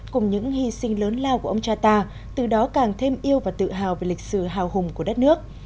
cùng những hy sinh lớn lao của ông cha ta từ đó càng thêm yêu và tự hào về lịch sử hào hùng của đất nước